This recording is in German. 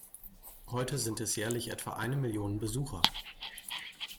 Heute sind es jährlich etwa eine Million Besucher.